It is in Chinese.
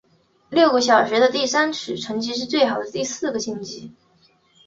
六个小组的第三名取成绩最好的四个晋级。